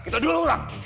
kita dua orang